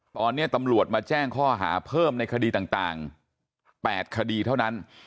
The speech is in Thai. ตอนนี้ตำรวจมาแจ้งข้อหาเพิ่มในคดีต่าง๘คดีเท่านั้น